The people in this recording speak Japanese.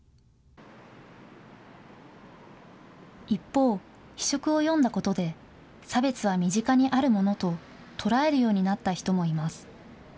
一方、非色を読んだことで、差別は身近にあるものと捉えるようになった人もいます。